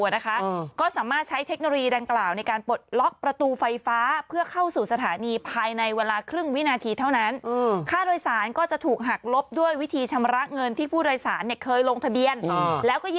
โดยสารเนี่ยเคยลงทะเบียนอ๋อแล้วก็ยืนยันขอบคุณอันไลน์อย่างเดียวเลย